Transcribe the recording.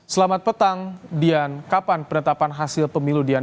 selamat petang dian kapan penetapan hasil pemilu dianca